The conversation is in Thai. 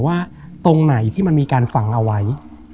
ว่าตรงไหนที่มันมีการฝังเอาไว้